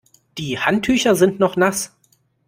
Die Handtücher sind noch nass.